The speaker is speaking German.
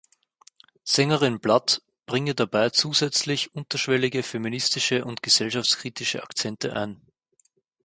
Sängerin Blood bringe dabei zusätzlich unterschwellige feministische und gesellschaftskritische Akzente ein.